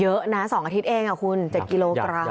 เยอะนะ๒อาทิตย์เองคุณ๗กิโลกรัม